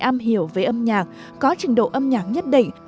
am hiểu về âm nhạc có trình độ âm nhạc nhất định